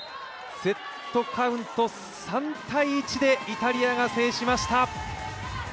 セットカウント３−１でイタリアが制しました。